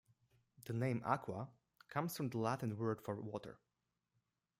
The name "Aqua" comes from the Latin word for water.